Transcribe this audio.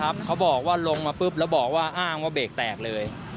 เขาบอกว่าลงมาปุ๊บแล้วบอกว่าอ้างว่าเบรกแตกเลย